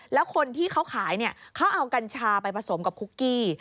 แล้วคนที่เขาขายเขาเอากัญชาไปผสมกับคุกกี้